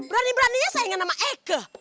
berani beraninya sayangin nama eke